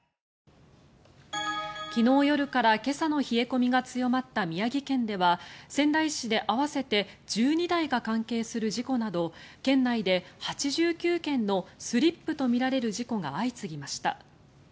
昨日夜から今朝の冷え込みが強まった宮城県では仙台市で合わせて１２台が関係する事故など県内で８９件のスリップとみられる事故が相次ぎました。